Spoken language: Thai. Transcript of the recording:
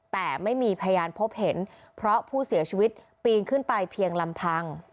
แต่ไม่มีพยานพบเห็นเพราะผู้เสียชีวิตปีนขึ้นไปเพียงลำพัง